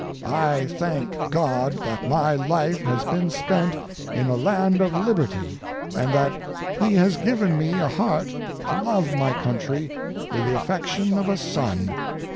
I thank God that my life has been spent in a land of liberty and that He has given me a heart to love my country with the affection of a son.